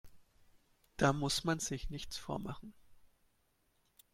Da muss man sich nichts vormachen.